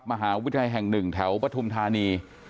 มหาวิทยาลัยแห่งหนึ่งแถวปฐุมธานี